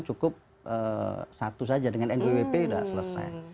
cukup satu saja dengan nwwp sudah selesai